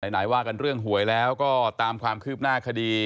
ไหนว่ากันเรื่องหวยแล้วก็ตามความคืบหน้าคดี